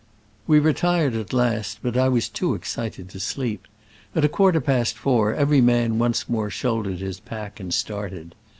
We retired at last, but I was too ex cited to sleep. At a quarter past four every man once more shouldered his pack and started.